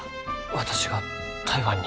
私が台湾に？